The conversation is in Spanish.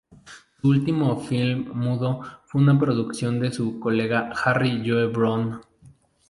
Su último film mudo fue una producción de su colega Harry Joe Brown.